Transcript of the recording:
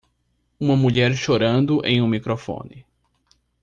Uma mulher chorando em um microfone.